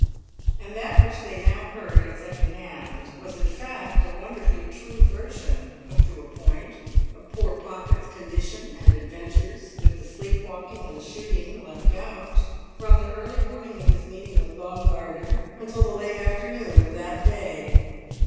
And that which they now heard at second hand was in fact a wonderfully true version—up to a point—of poor Pocket's condition and adventures—with the sleep walking and the shooting left out—from the early morning of his meeting with Baumgartner until the late afternoon of that day.